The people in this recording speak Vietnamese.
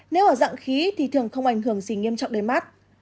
nếu ở dạng khí thì thường không ảnh hưởng gì nghiêm trọng đến mắt